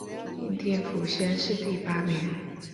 应天府乡试第八名。